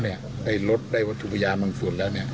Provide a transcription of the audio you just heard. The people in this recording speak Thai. ได้รถได้วัตถุพยานบางส่วนแล้ว